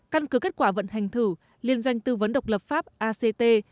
căn cứ kết quả vận hành thử liên doanh tư vấn độc lập pháp act